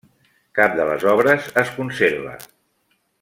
Cap de les obres es conserva.